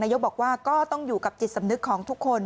ยกบอกว่าก็ต้องอยู่กับจิตสำนึกของทุกคน